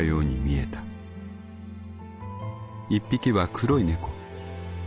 一匹は黒い猫。